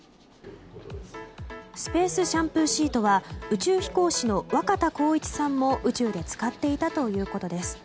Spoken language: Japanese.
スペースシャンプーシートは宇宙飛行士の若田光一さんも宇宙で使っていたということです。